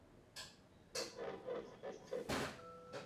他是父亲的次子。